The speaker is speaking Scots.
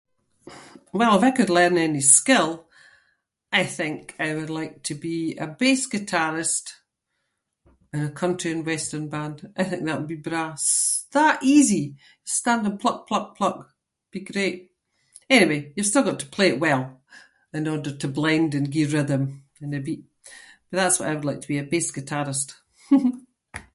Well if I could learn any skill, I think I would like to be a bass guitarist in a country and western band. I think that would be braw. S- that easy, standing pluck, pluck, pluck- it’d be great. Anyway, you’ve still got to play it well in order to blend and gie rhythm and a beat. But that’s what I would like to be, a bass guitarist.